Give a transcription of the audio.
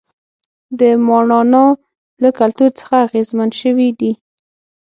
د ماڼانا له کلتور څخه اغېزمن شوي دي.